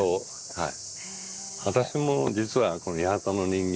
はい。